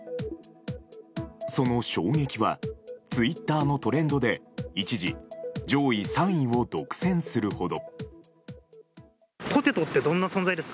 その衝撃はツイッターのトレンドで一時上位３位を独占するほど。